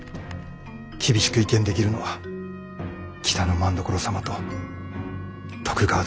厳しく意見できるのは北政所様と徳川殿ぐらい。